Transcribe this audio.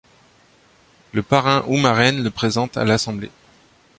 Le parrain ou marraine le présente à l'assemblée.